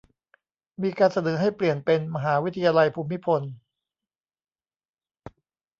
มีการเสนอให้เปลี่ยนเป็น "มหาวิทยาลัยภูมิพล"